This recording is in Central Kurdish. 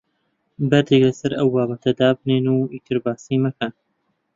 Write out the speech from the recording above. بەردێک لەسەر ئەو بابەتە دابنێن و ئیتر باسی مەکەن.